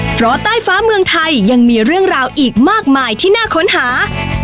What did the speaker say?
เพราะใต้ฟ้าเมืองไทยยังมีเรื่องราวอีกมากมายที่น่าค้นหา